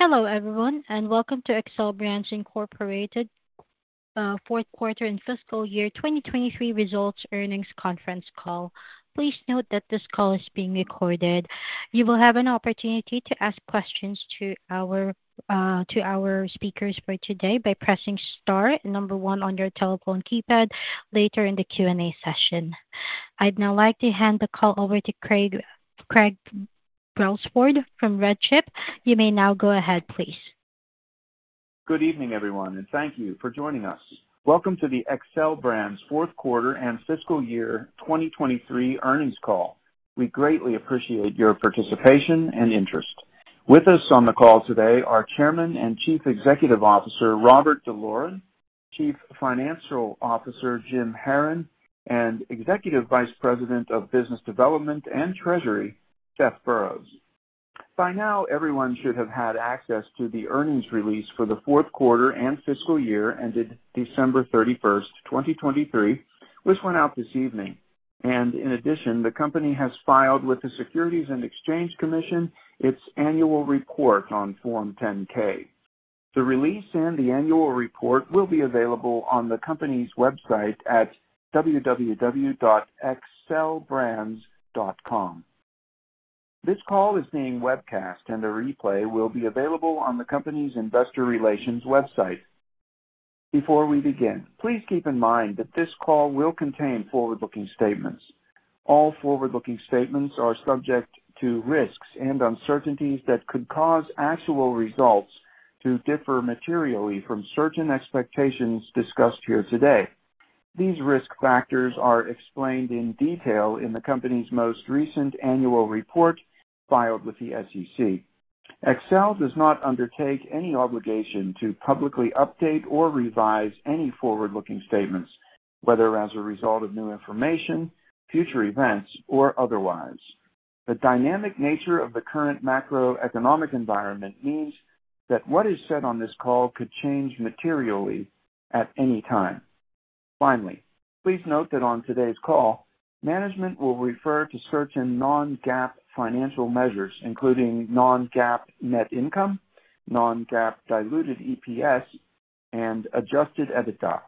Hello everyone and welcome to Xcel Brands Incorporated, Fourth Quarter and Fiscal Year 2023 Results Earnings Conference Call. Please note that this call is being recorded. You will have an opportunity to ask questions to our, to our speakers for today by pressing star and number one on your telephone keypad later in the Q&A session. I'd now like to hand the call over to Craig, Craig Brelsford from RedChip. You may now go ahead, please. Good evening everyone, and thank you for joining us. Welcome to the Xcel Brands Fourth Quarter and Fiscal Year 2023 Earnings Call. We greatly appreciate your participation and interest. With us on the call today are Chairman and Chief Executive Officer Robert D'Loren, Chief Financial Officer Jim Haran, and Executive Vice President of Business Development and Treasury Seth Burroughs. By now everyone should have had access to the earnings release for the fourth quarter and fiscal year ended December 31st, 2023, which went out this evening. In addition, the company has filed with the Securities and Exchange Commission its annual report on Form 10-K. The release and the annual report will be available on the company's website at www.xcelbrands.com. This call is being webcast, and a replay will be available on the company's investor relations website. Before we begin, please keep in mind that this call will contain forward-looking statements. All forward-looking statements are subject to risks and uncertainties that could cause actual results to differ materially from certain expectations discussed here today. These risk factors are explained in detail in the company's most recent annual report filed with the SEC. Xcel does not undertake any obligation to publicly update or revise any forward-looking statements, whether as a result of new information, future events, or otherwise. The dynamic nature of the current macroeconomic environment means that what is said on this call could change materially at any time. Finally, please note that on today's call, management will refer to certain Non-GAAP financial measures, including Non-GAAP net income, Non-GAAP diluted EPS, and Adjusted EBITDA.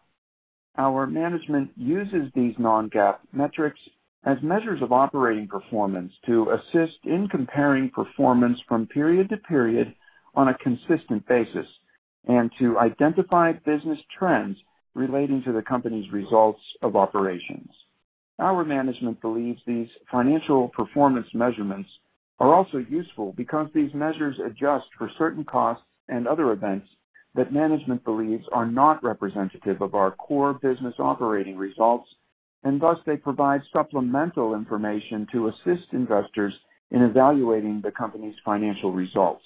Our management uses these non-GAAP metrics as measures of operating performance to assist in comparing performance from period to period on a consistent basis and to identify business trends relating to the company's results of operations. Our management believes these financial performance measurements are also useful because these measures adjust for certain costs and other events that management believes are not representative of our core business operating results, and thus they provide supplemental information to assist investors in evaluating the company's financial results.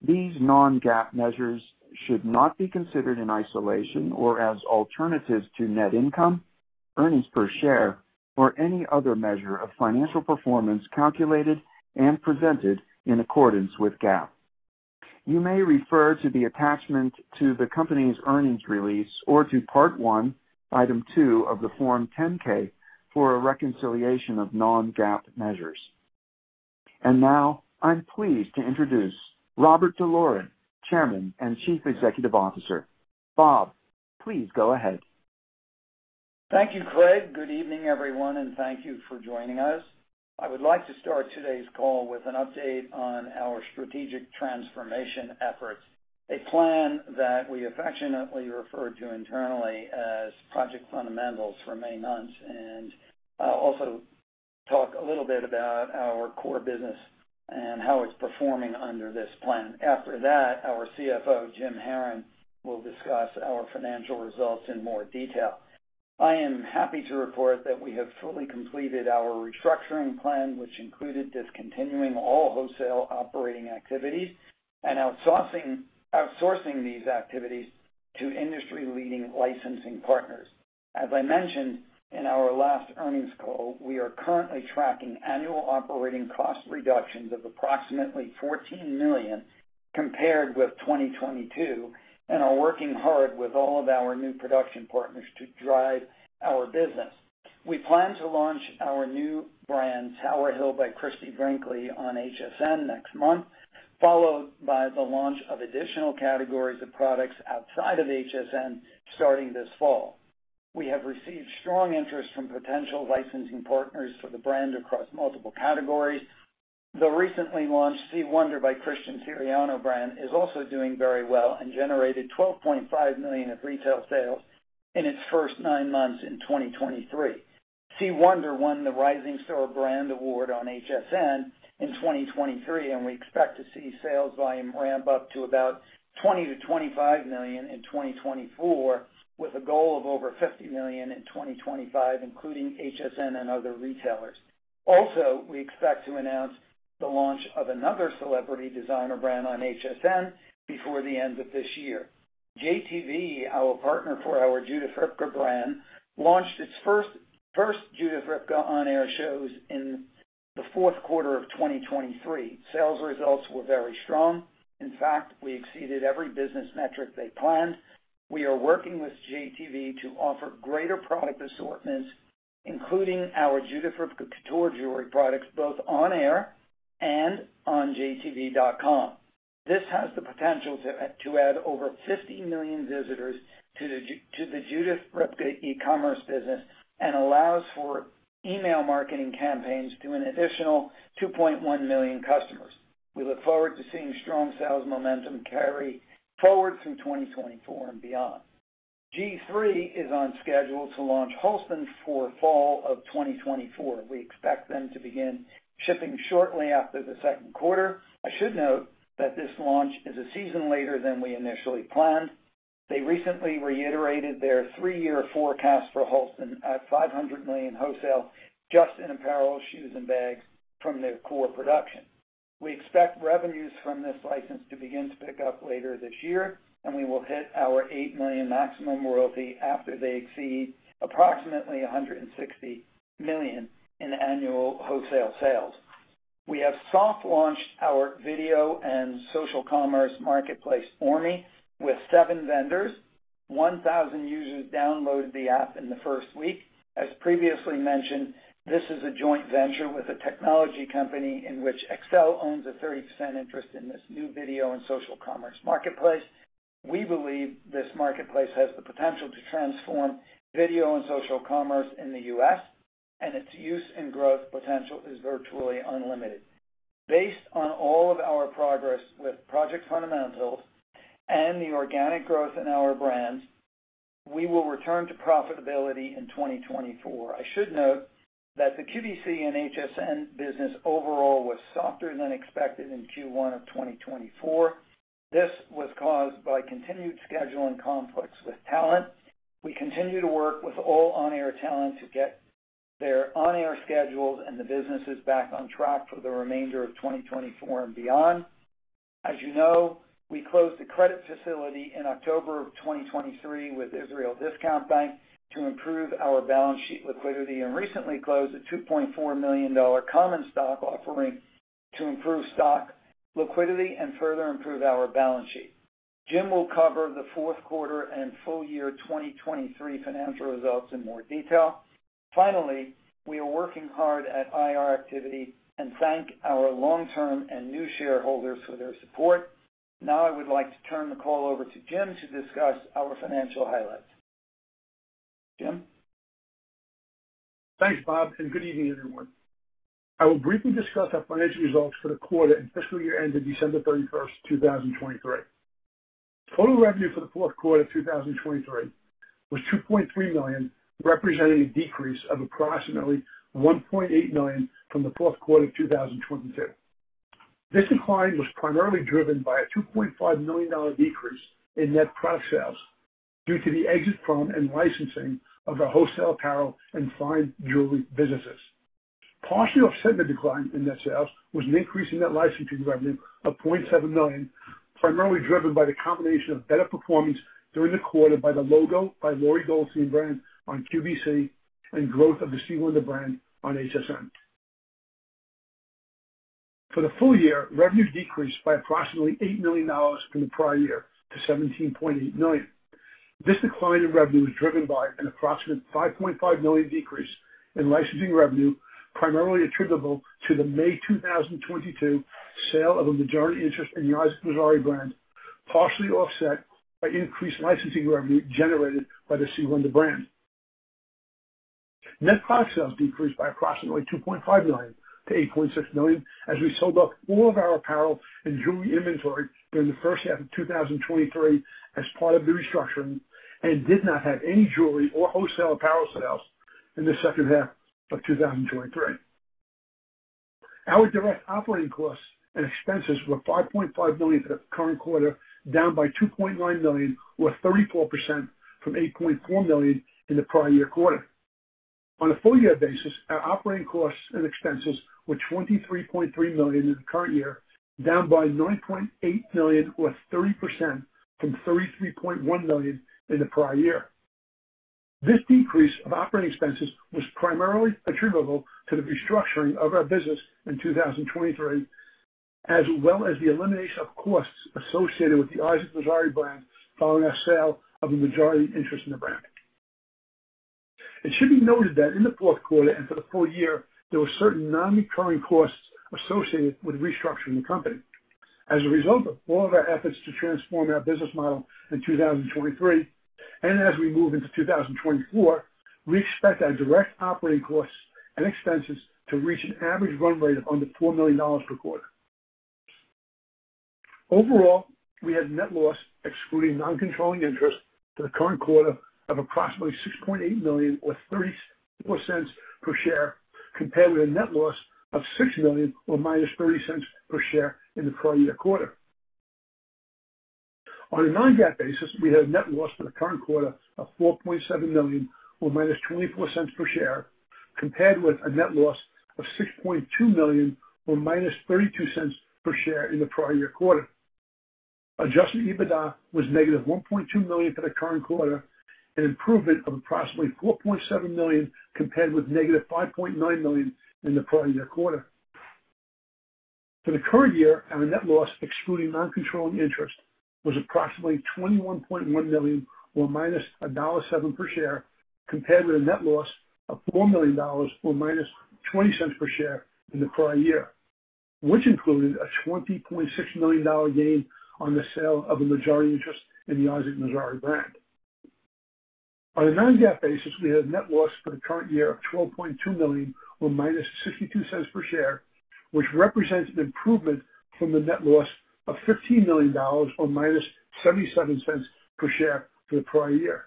These non-GAAP measures should not be considered in isolation or as alternatives to net income, earnings per share, or any other measure of financial performance calculated and presented in accordance with GAAP. You may refer to the attachment to the company's earnings release or to Part 1, Item 2 of the Form 10-K for a reconciliation of non-GAAP measures. And now I'm pleased to introduce Robert D'Loren, Chairman and Chief Executive Officer. Bob, please go ahead. Thank you, Craig. Good evening everyone, and thank you for joining us. I would like to start today's call with an update on our strategic transformation efforts, a plan that we affectionately refer to internally as Project Fundamentals for many months, and, also talk a little bit about our core business and how it's performing under this plan. After that, our CFO, Jim Haran, will discuss our financial results in more detail. I am happy to report that we have fully completed our restructuring plan, which included discontinuing all wholesale operating activities and outsourcing, outsourcing these activities to industry-leading licensing partners. As I mentioned in our last earnings call, we are currently tracking annual operating cost reductions of approximately $14 million compared with 2022, and are working hard with all of our new production partners to drive our business. We plan to launch our new brand, Tower Hill, by Christie Brinkley on HSN next month, followed by the launch of additional categories of products outside of HSN starting this fall. We have received strong interest from potential licensing partners for the brand across multiple categories. The recently launched C. Wonder by Christian Siriano brand is also doing very well and generated $12.5 million of retail sales in its first nine months in 2023. C. Wonder won the Rising Star Brand Award on HSN in 2023, and we expect to see sales volume ramp up to about $20 million-$25 million in 2024, with a goal of over $50 million in 2025, including HSN and other retailers. Also, we expect to announce the launch of another celebrity designer brand on HSN before the end of this year. JTV, our partner for our Judith Ripka brand, launched its first Judith Ripka on-air shows in the fourth quarter of 2023. Sales results were very strong. In fact, we exceeded every business metric they planned. We are working with JTV to offer greater product assortments, including our Judith Ripka Couture jewelry products, both on-air and on JTV.com. This has the potential to add over 50 million visitors to the Judith Ripka e-commerce business and allows for email marketing campaigns to an additional 2.1 million customers. We look forward to seeing strong sales momentum carry forward through 2024 and beyond. G-III is on schedule to launch Halston for fall of 2024. We expect them to begin shipping shortly after the second quarter. I should note that this launch is a season later than we initially planned. They recently reiterated their three-year forecast for Halston at $500 million wholesale, just in apparel, shoes, and bags, from their core production. We expect revenues from this license to begin to pick up later this year, and we will hit our $8 million maximum royalty after they exceed approximately $160 million in annual wholesale sales. We have soft-launched our video and social commerce marketplace, Orme, with seven vendors. 1,000 users downloaded the app in the first week. As previously mentioned, this is a joint venture with a technology company in which Xcel owns a 30% interest in this new video and social commerce marketplace. We believe this marketplace has the potential to transform video and social commerce in the U.S., and its use and growth potential is virtually unlimited. Based on all of our progress with Project Fundamentals and the organic growth in our brands, we will return to profitability in 2024. I should note that the QVC and HSN business overall was softer than expected in Q1 of 2024. This was caused by continued scheduling conflicts with talent. We continue to work with all on-air talent to get their on-air schedules and the businesses back on track for the remainder of 2024 and beyond. As you know, we closed a credit facility in October of 2023 with Israel Discount Bank to improve our balance sheet liquidity and recently closed a $2.4 million common stock offering to improve stock liquidity and further improve our balance sheet. Jim will cover the fourth quarter and full year 2023 financial results in more detail. Finally, we are working hard at IR activity and thank our long-term and new shareholders for their support. Now I would like to turn the call over to Jim to discuss our financial highlights. Jim? Thanks, Bob, and good evening everyone. I will briefly discuss our financial results for the quarter and fiscal year ended December 31st, 2023. Total revenue for the fourth quarter of 2023 was $2.3 million, representing a decrease of approximately $1.8 million from the fourth quarter of 2022. This decline was primarily driven by a $2.5 million decrease in net product sales due to the exit from and licensing of our wholesale apparel and fine jewelry businesses. Partially offset in the decline in net sales was an increase in net licensing revenue of $0.7 million, primarily driven by the combination of better performance during the quarter by the LOGO by Lori Goldstein brand on QVC and growth of the C. Wonder brand on HSN. For the full year, revenue decreased by approximately $8 million from the prior year to $17.8 million. This decline in revenue was driven by an approximate $5.5 million decrease in licensing revenue, primarily attributable to the May 2022 sale of a majority interest in the Isaac Mizrahi brand, partially offset by increased licensing revenue generated by the C. Wonder brand. Net product sales decreased by approximately $2.5 million to $8.6 million as we sold off all of our apparel and jewelry inventory during the first half of 2023 as part of the restructuring and did not have any jewelry or wholesale apparel sales in the second half of 2023. Our direct operating costs and expenses were $5.5 million for the current quarter, down by $2.9 million, or 34% from $8.4 million in the prior year quarter. On a full-year basis, our operating costs and expenses were $23.3 million in the current year, down by $9.8 million, or 30% from $33.1 million in the prior year. This decrease of operating expenses was primarily attributable to the restructuring of our business in 2023, as well as the elimination of costs associated with the Isaac Mizrahi brand following our sale of the majority interest in the brand. It should be noted that in the fourth quarter and for the full year, there were certain non-recurring costs associated with restructuring the company. As a result of all of our efforts to transform our business model in 2023 and as we move into 2024, we expect our direct operating costs and expenses to reach an average run rate of under $4 million per quarter. Overall, we had net loss, excluding non-controlling interest, for the current quarter of approximately $6.8 million, or $0.34 per share, compared with a net loss of $6 million, or -$0.30 per share, in the prior year quarter. On a non-GAAP basis, we had a net loss for the current quarter of $4.7 million, or -$0.24 per share, compared with a net loss of $6.2 million, or -$0.32 per share, in the prior year quarter. Adjusted EBITDA was -$1.2 million for the current quarter, an improvement of approximately $4.7 million compared with -$5.9 million in the prior year quarter. For the current year, our net loss, excluding non-controlling interest, was approximately $21.1 million, or -$1.07 per share, compared with a net loss of $4 million, or -$0.20 per share, in the prior year, which included a $20.6 million gain on the sale of the minority interest in the Isaac Mizrahi brand. On a non-GAAP basis, we had a net loss for the current year of $12.2 million, or -$0.62 per share, which represents an improvement from the net loss of $15 million, or -$0.77 per share, for the prior year.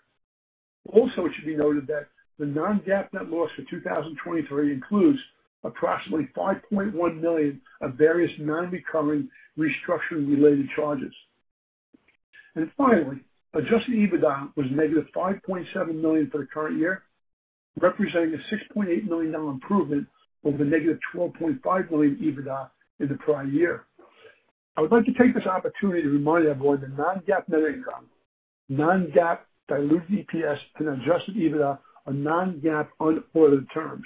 Also, it should be noted that the non-GAAP net loss for 2023 includes approximately $5.1 million of various non-recurring restructuring-related charges. And finally, adjusted EBITDA was negative $5.7 million for the current year, representing a $6.8 million improvement over the negative $12.5 million EBITDA in the prior year. I would like to take this opportunity to remind everyone that non-GAAP net income, non-GAAP diluted EPS, and adjusted EBITDA are non-GAAP unquoted terms.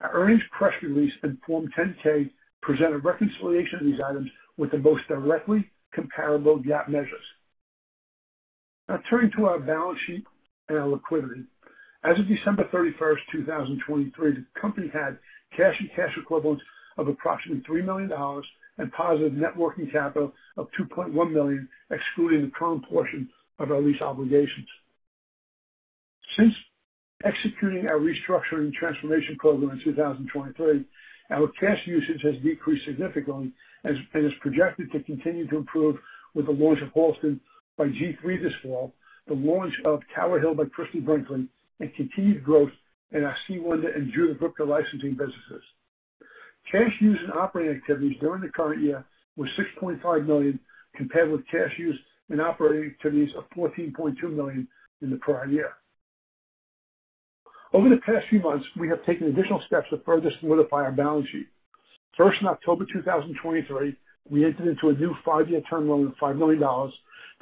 Our earnings press release and Form 10-K present a reconciliation of these items with the most directly comparable GAAP measures. Now, turning to our balance sheet and our liquidity. As of December 31st, 2023, the company had cash and cash equivalents of approximately $3 million and positive net working capital of $2.1 million, excluding the current portion of our lease obligations. Since executing our restructuring and transformation program in 2023, our cash usage has decreased significantly and is projected to continue to improve with the launch of Halston by G-III this fall, the launch of Tower Hill by Christie Brinkley, and continued growth in our C. Wonder and Judith Ripka licensing businesses. Cash use and operating activities during the current year were $6.5 million, compared with cash use and operating activities of $14.2 million in the prior year. Over the past few months, we have taken additional steps to further solidify our balance sheet. First, in October 2023, we entered into a new five-year term loan of $5 million,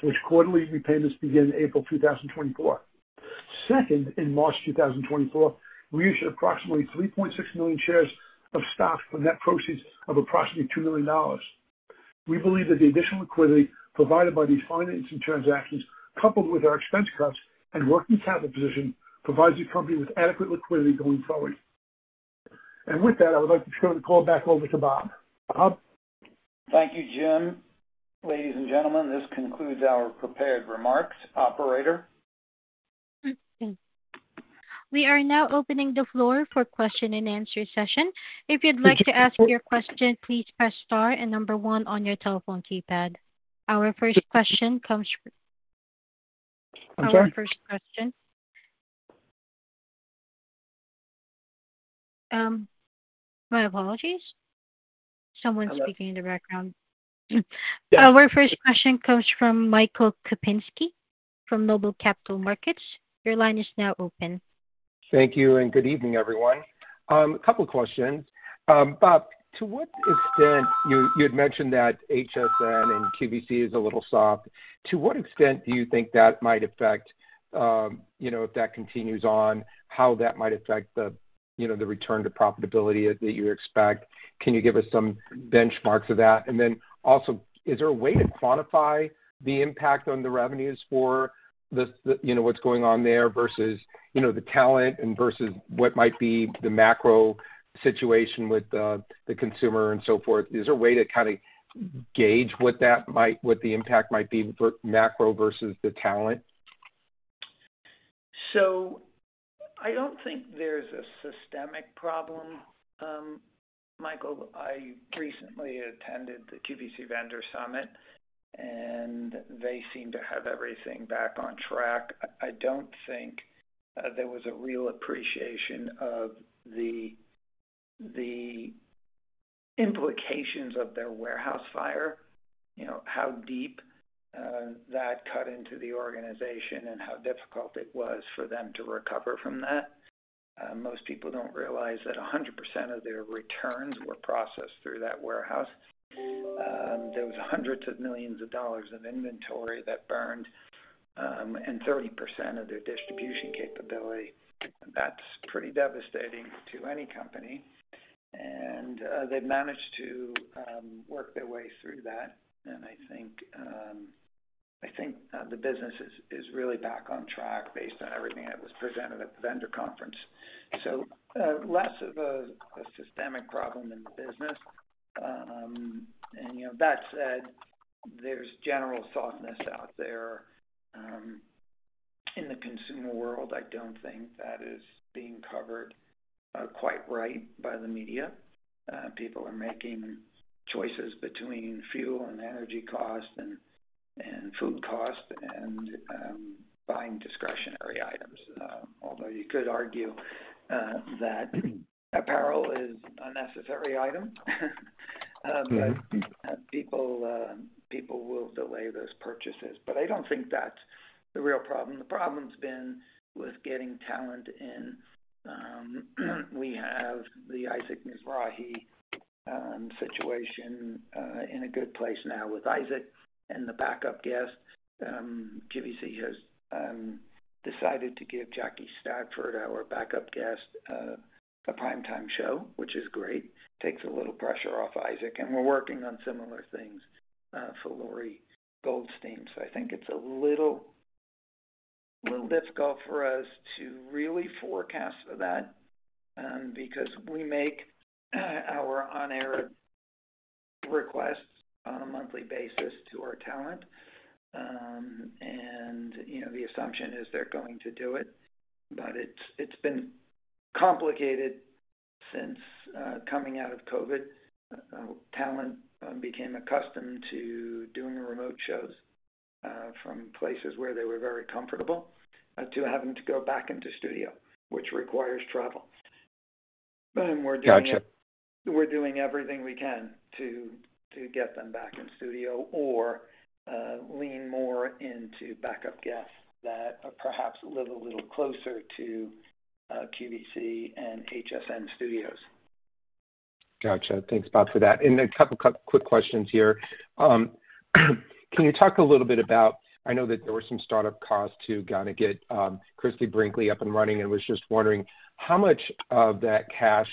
to which quarterly repayments begin April 2024. Second, in March 2024, we issued approximately 3.6 million shares of stock for net proceeds of approximately $2 million. We believe that the additional liquidity provided by these financing transactions, coupled with our expense cuts and working capital position, provides the company with adequate liquidity going forward. With that, I would like to turn the call back over to Bob. Bob? Thank you, Jim. Ladies and gentlemen, this concludes our prepared remarks. Operator? We are now opening the floor for question-and-answer session. If you'd like to ask your question, please press star and number one on your telephone keypad. Our first question comes from. Our first question. My apologies. Someone's speaking in the background. Our first question comes from Michael Kupinski from Noble Capital Markets. Your line is now open. Thank you, and good evening, everyone. A couple of questions. Bob, to what extent you had mentioned that HSN and QVC is a little soft. To what extent do you think that might affect, if that continues on, how that might affect the return to profitability that you expect? Can you give us some benchmarks of that? And then also, is there a way to quantify the impact on the revenues for what's going on there versus the talent and versus what might be the macro situation with the consumer and so forth? Is there a way to kind of gauge what the impact might be for macro versus the talent? So I don't think there's a systemic problem, Michael. I recently attended the QVC Vendor Summit, and they seem to have everything back on track. I don't think there was a real appreciation of the implications of their warehouse fire, how deep that cut into the organization and how difficult it was for them to recover from that. Most people don't realize that 100% of their returns were processed through that warehouse. There was hundreds of millions of dollars of inventory that burned and 30% of their distribution capability. That's pretty devastating to any company. And they've managed to work their way through that. And I think the business is really back on track based on everything that was presented at the vendor conference. So less of a systemic problem in the business. And that said, there's general softness out there. In the consumer world, I don't think that is being covered quite right by the media. People are making choices between fuel and energy cost and food cost and buying discretionary items, although you could argue that apparel is a necessary item. But people will delay those purchases. But I don't think that's the real problem. The problem's been with getting talent in. We have the Isaac Mizrahi situation in a good place now with Isaac and the backup guest. QVC has decided to give Jackie Stafford, our backup guest, a primetime show, which is great. Takes a little pressure off Isaac. And we're working on similar things for Lori Goldstein. So I think it's a little difficult for us to really forecast for that because we make our on-air requests on a monthly basis to our talent. And the assumption is they're going to do it. But it's been complicated since coming out of COVID. Talent became accustomed to doing remote shows from places where they were very comfortable to having to go back into studio, which requires travel. And we're doing everything we can to get them back in studio or lean more into backup guests that perhaps live a little closer to QVC and HSN studios. Gotcha. Thanks, Bob, for that. And a couple of quick questions here. Can you talk a little bit about, I know that there were some startup costs to kind of get Christie Brinkley up and running, and I was just wondering, how much of that cash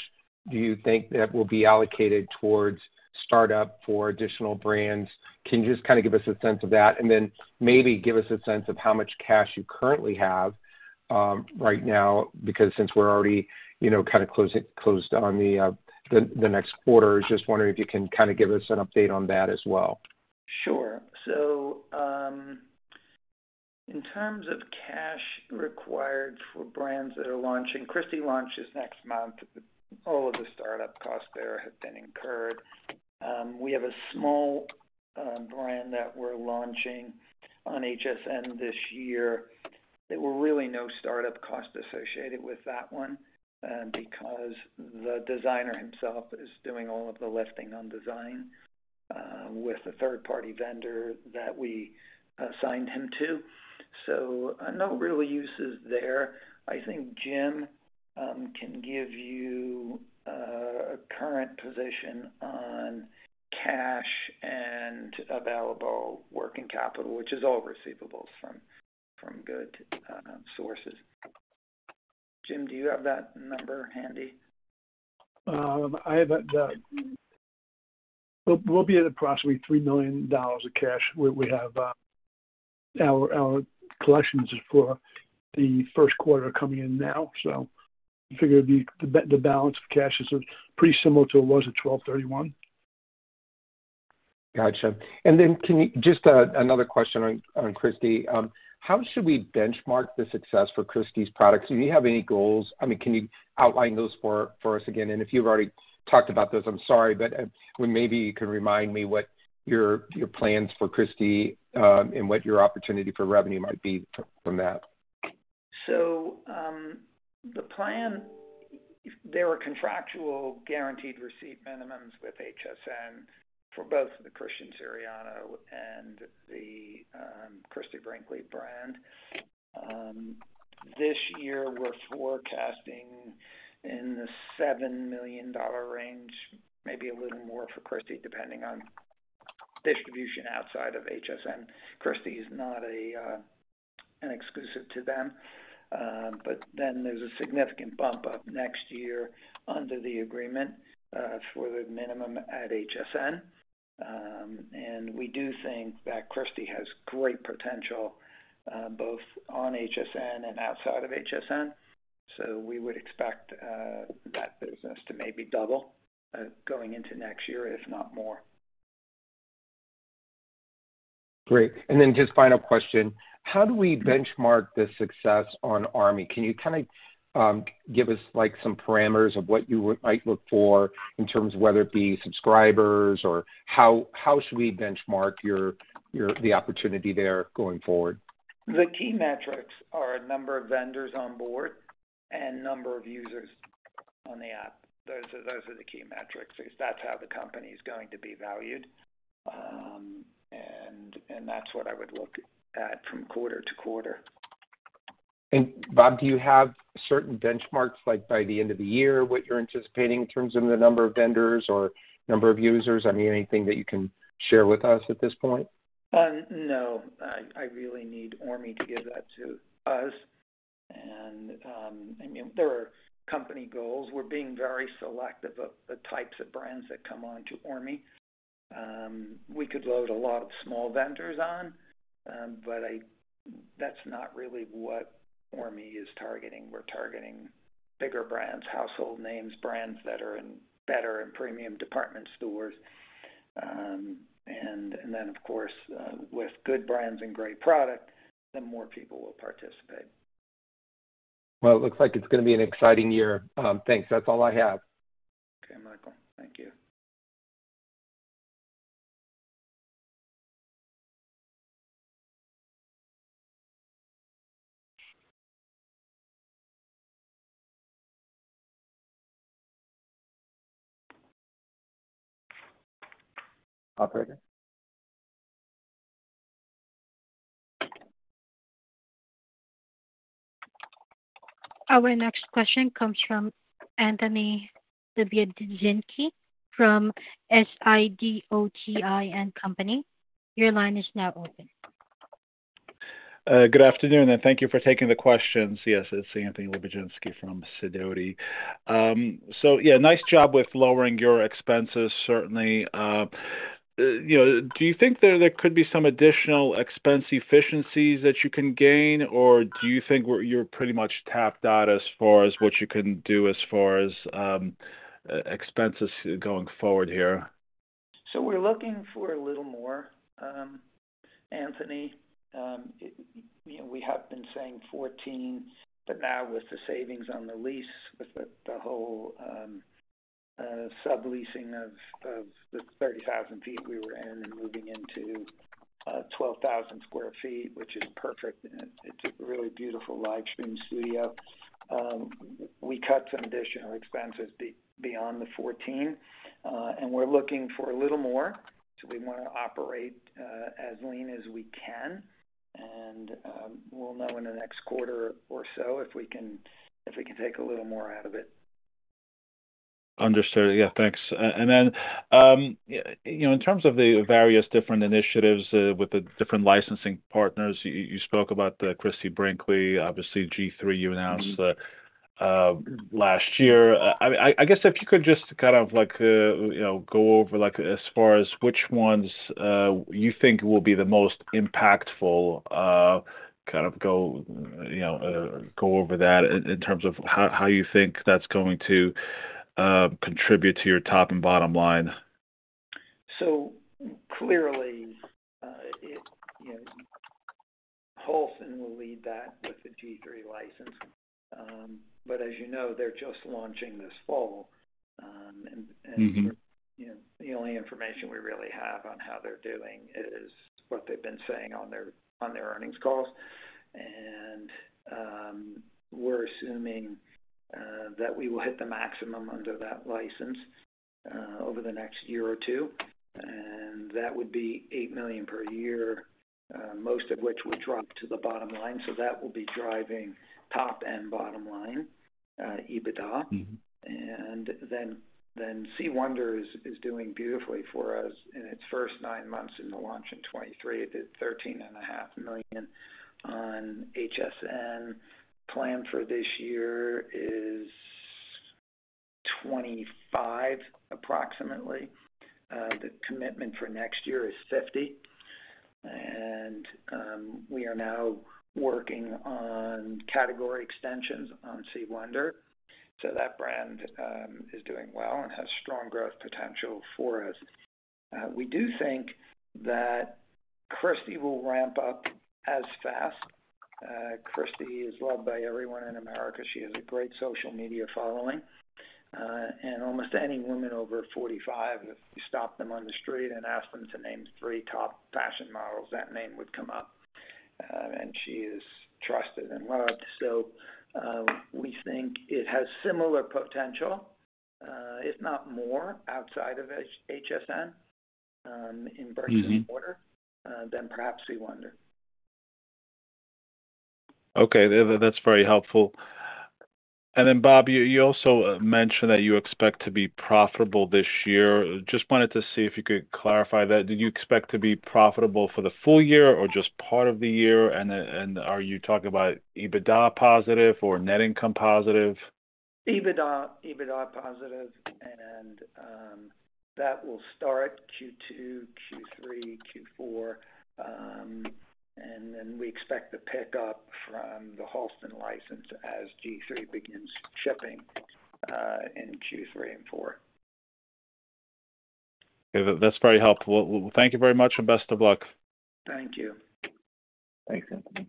do you think that will be allocated towards startup for additional brands? Can you just kind of give us a sense of that? And then maybe give us a sense of how much cash you currently have right now because since we're already kind of closed on the next quarter, I was just wondering if you can kind of give us an update on that as well. Sure. So in terms of cash required for brands that are launching. Christie launches next month. All of the startup costs there have been incurred. We have a small brand that we're launching on HSN this year. There were really no startup costs associated with that one because the designer himself is doing all of the lifting on design with a third-party vendor that we assigned him to. So no real uses there. I think Jim can give you a current position on cash and available working capital, which is all receivables from good sources. Jim, do you have that number handy? I have it. We'll be at approximately $3 million of cash. Our collections for the first quarter are coming in now. So I figure the balance of cash is pretty similar to it was at 12/31. Gotcha. And then just another question on Christie. How should we benchmark the success for Christie's products? Do you have any goals? I mean, can you outline those for us again? And if you've already talked about those, I'm sorry, but maybe you could remind me what your plans for Christie and what your opportunity for revenue might be from that. The plan, there are contractual guaranteed receipt minimums with HSN for both the Christian Siriano and the Christie Brinkley brand. This year, we're forecasting in the $7 million range, maybe a little more for Christie, depending on distribution outside of HSN. Christie is not an exclusive to them. But then there's a significant bump up next year under the agreement for the minimum at HSN. And we do think that Christie has great potential both on HSN and outside of HSN. So we would expect that business to maybe double going into next year, if not more. Great. And then just final question. How do we benchmark the success on Orme? Can you kind of give us some parameters of what you might look for in terms of whether it be subscribers or how should we benchmark the opportunity there going forward? The key metrics are a number of vendors on board and number of users on the app. Those are the key metrics. That's how the company is going to be valued. That's what I would look at from quarter to quarter. And Bob, do you have certain benchmarks by the end of the year, what you're anticipating in terms of the number of vendors or number of users? I mean, anything that you can share with us at this point? No. I really need Orme to give that to us. And I mean, there are company goals. We're being very selective of the types of brands that come on to Orme. We could load a lot of small vendors on, but that's not really what Orme is targeting. We're targeting bigger brands, household names, brands that are better in premium department stores. And then, of course, with good brands and great product, the more people will participate. Well, it looks like it's going to be an exciting year. Thanks. That's all I have. Okay, Michael. Thank you. Operator. Our next question comes from Anthony Lebiedzinski from Sidoti & Company. Your line is now open. Good afternoon, and thank you for taking the questions. Yes, it's Anthony Lebidzinski from Sidoti. So yeah, nice job with lowering your expenses, certainly. Do you think there could be some additional expense efficiencies that you can gain, or do you think you're pretty much tapped out as far as what you can do as far as expenses going forward here? So we're looking for a little more, Anthony. We have been saying 14, but now with the savings on the lease, with the whole subleasing of the 30,000 sq ft we were in and moving into 12,000 sq ft, which is perfect. It's a really beautiful live-stream studio. We cut some additional expenses beyond the 14, and we're looking for a little more. So we want to operate as lean as we can. And we'll know in the next quarter or so if we can take a little more out of it. Understood. Yeah, thanks. And then in terms of the various different initiatives with the different licensing partners, you spoke about the Christie Brinkley, obviously, G-III you announced last year. I guess if you could just kind of go over as far as which ones you think will be the most impactful, kind of go over that in terms of how you think that's going to contribute to your top and bottom line. So clearly, Halston will lead that with the G-III license. But as you know, they're just launching this fall. And the only information we really have on how they're doing is what they've been saying on their earnings calls. And we're assuming that we will hit the maximum under that license over the next year or two. And that would be $8 million per year, most of which would drop to the bottom line. So that will be driving top-end bottom line, EBITDA. And then C. Wonder is doing beautifully for us in its first nine months in the launch in 2023. It did $13.5 million on HSN. Planned for this year is approximately $25 million. The commitment for next year is $50 million. And we are now working on category extensions on C. Wonder. So that brand is doing well and has strong growth potential for us. We do think that Christie will ramp up as fast. Christie is loved by everyone in America. She has a great social media following. Almost any woman over 45, if you stop them on the street and ask them to name three top fashion models, that name would come up. She is trusted and loved. We think it has similar potential, if not more, outside of HSN in bricks and mortar than perhaps C. Wonder. Okay. That's very helpful. And then, Bob, you also mentioned that you expect to be profitable this year. Just wanted to see if you could clarify that. Did you expect to be profitable for the full year or just part of the year? And are you talking about EBITDA positive or net income positive? EBITDA, EBITDA positive. And that will start Q2, Q3, Q4. And then we expect the pickup from the Halston license as G-III begins shipping in Q3 and Q4. Okay. That's very helpful. Well, thank you very much and best of luck. Thank you. Thanks, Anthony.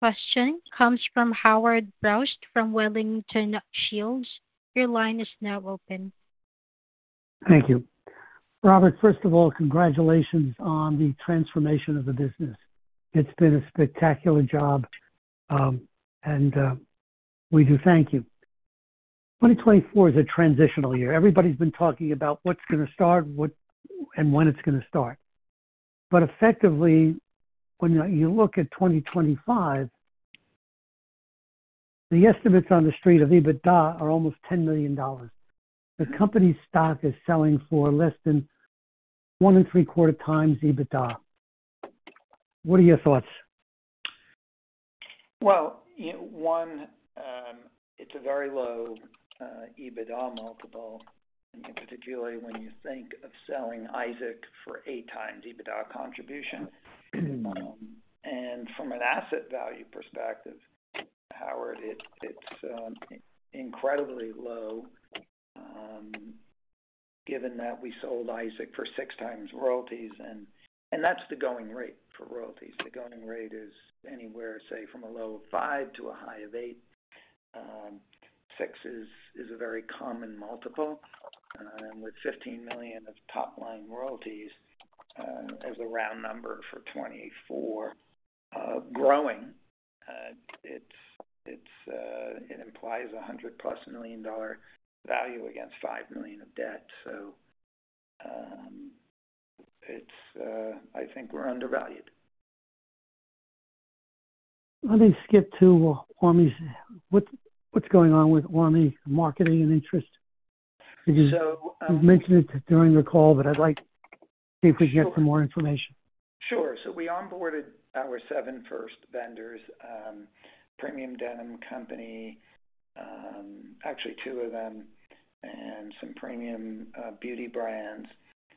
Question comes from Howard Brous from Wellington Shields. Your line is now open. Thank you. Robert, first of all, congratulations on the transformation of the business. It's been a spectacular job, and we do thank you. 2024 is a transitional year. Everybody's been talking about what's going to start and when it's going to start. But effectively, when you look at 2025, the estimates on the street of EBITDA are almost $10 million. The company's stock is selling for less than 1.75 times EBITDA. What are your thoughts? Well, one, it's a very low EBITDA multiple, particularly when you think of selling Isaac for 8x EBITDA contribution. And from an asset value perspective, Howard, it's incredibly low given that we sold Isaac for 6x royalties. And that's the going rate for royalties. The going rate is anywhere, say, from a low of 5x-8x. 6x is a very common multiple. And with $15 million of top-line royalties as a round number for 2024 growing, it implies a $100 million+ value against $5 million of debt. So I think we're undervalued. Let me skip to Orme. What's going on with Orme marketing and interest? You mentioned it during the call, but I'd like to see if we can get some more information. Sure. So we onboarded our first seven vendors, premium denim company—actually two of them—and some premium beauty brands,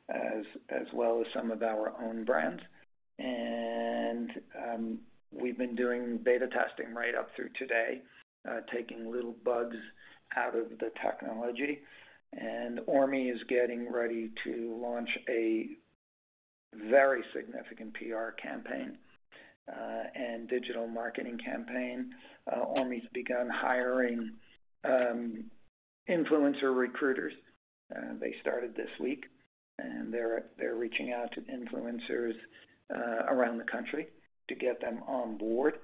as well as some of our own brands. We've been doing beta testing right up through today, taking little bugs out of the technology. Orme is getting ready to launch a very significant PR campaign and digital marketing campaign. Orme's begun hiring influencer recruiters. They started this week, and they're reaching out to influencers around the country to get them on board.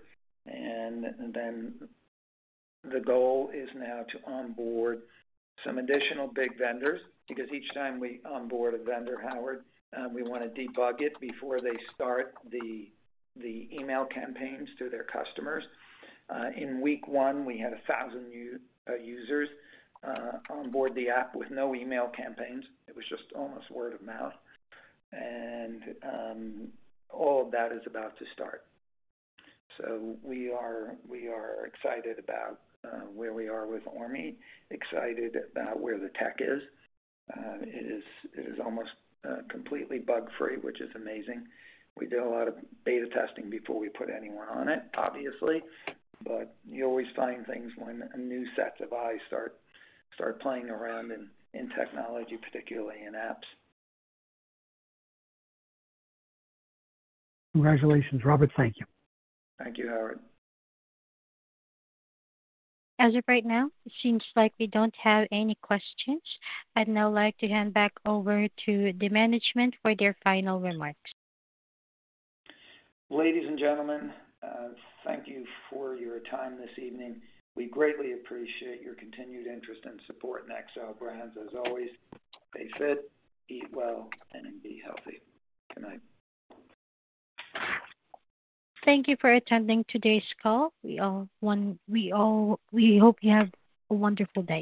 The goal is now to onboard some additional big vendors because each time we onboard a vendor, Howard, we want to debug it before they start the email campaigns to their customers. In week one, we had 1,000 users onboard the app with no email campaigns. It was just almost word of mouth. All of that is about to start. So we are excited about where we are with Orme, excited about where the tech is. It is almost completely bug-free, which is amazing. We did a lot of beta testing before we put anyone on it, obviously. But you always find things when new sets of eyes start playing around in technology, particularly in apps. Congratulations, Robert. Thank you. Thank you, Howard. As of right now, it seems like we don't have any questions. I'd now like to hand back over to the management for their final remarks. Ladies and gentlemen, thank you for your time this evening. We greatly appreciate your continued interest and support in Xcel Brands. As always, stay fit, eat well, and be healthy tonight. Thank you for attending today's call. We hope you have a wonderful day.